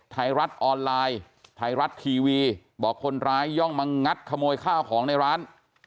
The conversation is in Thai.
ไทยรัฐออนไลน์ไทยรัฐทีวีบอกคนร้ายย่องมางัดขโมยข้าวของในร้าน